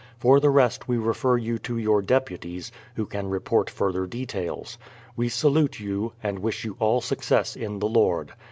For the rest we refer you to your deputies, who can report further details. We salute you, and wish you all success in the Lord.